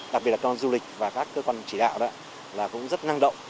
đặc biệt là các quan du lịch và các cơ quan chỉ đạo đó là cũng rất năng động